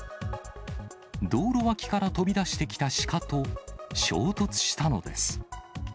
道路脇から飛び出してきたシカと衝突したのです。